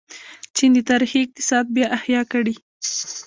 چین د تاریخي اقتصاد بیا احیا کړې.